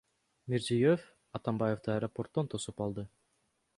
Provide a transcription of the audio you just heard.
Мирзиёев Атамбаевди аэропорттон тосуп алды.